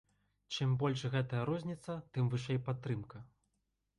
Чым больш гэтая розніца, тым вышэй падтрымка.